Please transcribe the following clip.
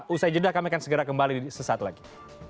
usai jeda kami akan segera kembali sesaat lagi